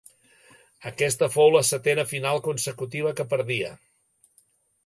Aquesta fou la setena final consecutiva que perdia.